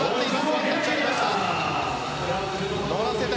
ワンタッチ、ありませんでした。